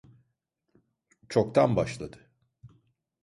Çoktan başladı.